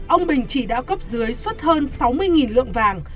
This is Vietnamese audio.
ông bình chỉ đã cấp dưới xuất hơn sáu mươi lượng vàng